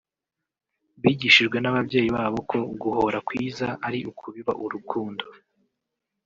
bigishijwe n’ababyeyi babo ko guhora kwiza ari ukubiba urukundo